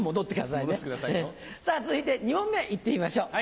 さぁ続いて２問目行ってみましょう。